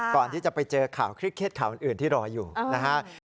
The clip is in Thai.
ก่อนที่จะไปเจอข่าวเคร็ดเคล็ดข่าวอื่นที่รออยู่นะฮะ